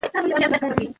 خلک به اسانه ژوند ولري.